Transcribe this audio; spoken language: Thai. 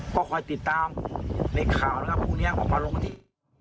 ก็คอยติดตามในข่าวนะครับพวกนี้ออกมาลงที่